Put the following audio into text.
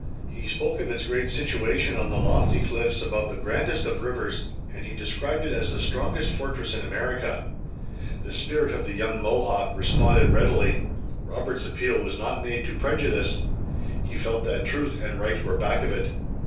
He spoke of its great situation on the lofty cliffs above the grandest of rivers, and he described it as the strongest fortress in America. The spirit of the young Mohawk responded readily. Robert's appeal was not made to prejudice. He felt that truth and right were back of it.